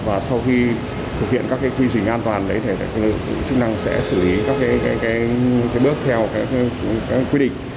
và sau khi thực hiện các quy trình an toàn chức năng sẽ xử lý các bước theo quy định